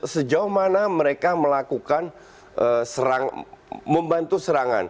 sejauh mana mereka melakukan membantu serangan